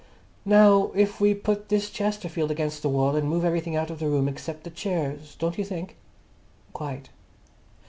"Now, if we put this chesterfield against the wall and move everything out of the room except the chairs, don't you think?" "Quite."